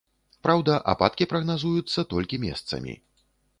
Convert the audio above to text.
Праўда, ападкі прагназуюцца толькі месцамі.